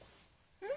うん？